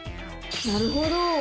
なるほど！